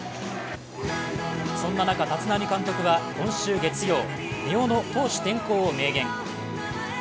そんな中立浪監督とは今週月曜、根尾の投手転向を明言。